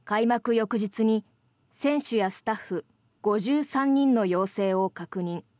翌日に選手やスタッフ５３人の陽性を確認。